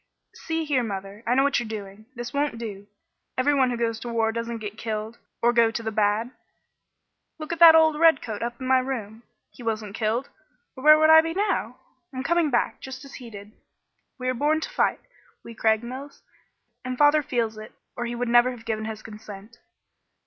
"See here, mother! I know what you are doing. This won't do. Every one who goes to war doesn't get killed or go to the bad. Look at that old redcoat up in my room. He wasn't killed, or where would I be now? I'm coming back, just as he did. We are born to fight, we Craigmiles, and father feels it or he never would have given his consent."